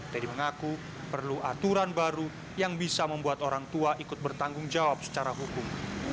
teddy mengaku perlu aturan baru yang bisa membuat orang tua ikut bertanggung jawab secara hukum